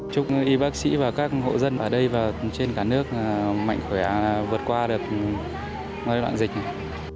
chúc y bác sĩ và các hộ dân ở đây và trên cả nước mạnh khỏe vượt qua được đoạn dịch này